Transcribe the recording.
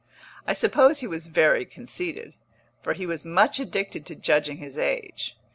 I suppose he was very conceited, for he was much addicted to judging his age.